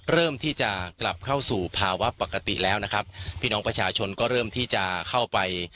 เริ่มที่จะกลับเข้าสู่ภาวะปกติแล้วนะครับพี่น้องประชาชนก็เริ่มที่จะเข้าไป